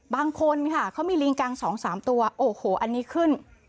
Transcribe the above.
บางคนค่ะเขามีลิงกัง๒๓ตัวโอ้โหอันนี้ขึ้น